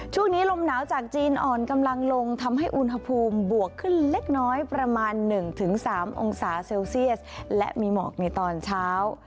ช่วงนี้ลมหนาวจากจีนอ่อนกำลังลงทำให้อุณหภูมิบวกขึ้นเล็กน้อยประมาณ๑๓องศาเซลเซียสและมีหมอกในตอนเช้า